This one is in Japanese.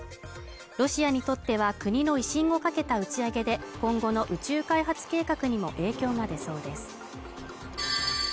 ロシアにとっては国の威信をかけた打ち上げで今後の宇宙開発計画にも影響が出そうです